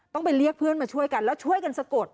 ไปเรียกเพื่อนมาช่วยกันแล้วช่วยกันสะกด